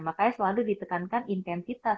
makanya selalu ditekankan intensitas